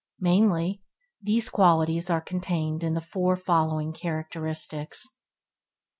Mainly, these qualities are contained in the four following characteristics: 1.